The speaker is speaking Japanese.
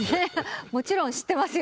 もちろん知ってますよ。